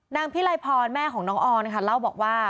นางพิไลพรแม่ของน้องออนค่ะเล่าบอกว่า